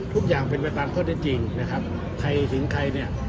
ทุกอย่างเป็นไปตามข้อได้จริงนะครับใครถึงใครเนี่ย